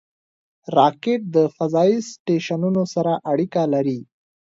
راکټ د فضایي سټیشنونو سره اړیکه لري